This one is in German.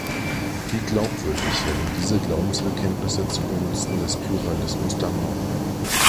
Wie glaubwürdig wären diese Glaubensbekenntnisse zugunsten des Pluralismus dann noch?